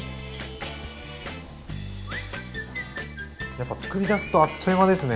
やっぱつくりだすとあっという間ですね。